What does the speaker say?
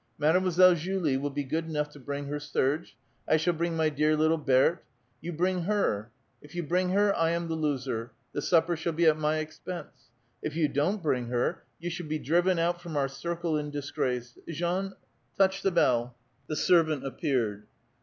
Mademoiselle Julie will be good enough to bring her Serge ; I shall bring my dear little Bertlie ; you bring her. If you bring her, I am the loser, the supper shall be at my expense. If you don't bring her, you shall be driven out from our circle in disgrace. — Jean, touch the bell." The servant appeared.